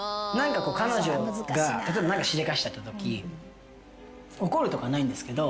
彼女が例えば何かしでかしちゃったとき怒るとかないんですけど。